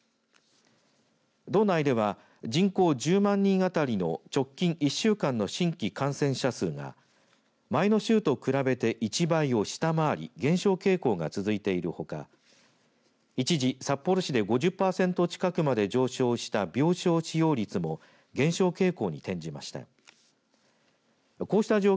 道内では人口１０万人当たりの直近１週間の新規感染者数が前の週と比べて１倍を下回り減少傾向が続いているほか一時、札幌市で５０パーセント近くまで上昇した病床使用率も減少傾向に転じました。